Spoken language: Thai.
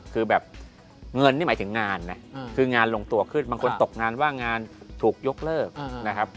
คือแบบเงินนี่หมายถึงงานนะคืองานลงตัวขึ้นบางคนตกงานว่างงานถูกยกเลิกนะครับ